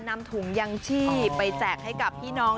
นำถุงยังชีพไปแจกให้กับพี่น้อง